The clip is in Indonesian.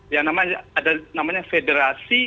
yang namanya federasi